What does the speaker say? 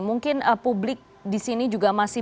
mungkin publik di sini juga masih